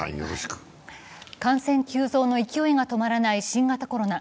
感染急増の勢いが止まらない新型コロナ。